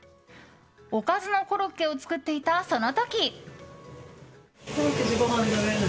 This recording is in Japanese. おかずのコロッケを作っていたその時。